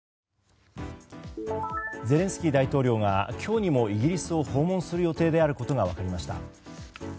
ゼレンスキー大統領が今日にもイギリスを訪問する予定であることが分かりました。